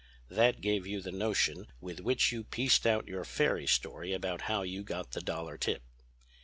That gave you the notion with which you pieced out your fairy story about how you got the dollar tip.